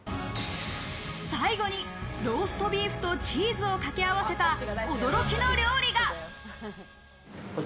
最後にローストビーフとチーズを掛け合わせた驚きの料理が。